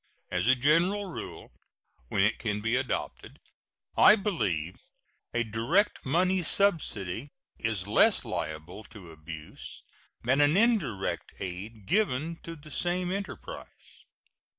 As a general rule, when it can be adopted, I believe a direct money subsidy is less liable to abuse than an indirect aid given to the same enterprise.